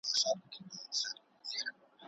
بازارونه تل له ګڼه ګوڼې ډک وي.